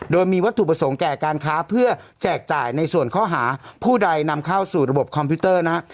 โดยมีวัตถุประสงค์แก่การค้าเพื่อแจกจ่ายในส่วนข้อหาผู้ใดนำเข้าสู่ระบบคอมพิวเตอร์นะฮะ